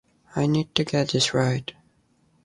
I need to get this right.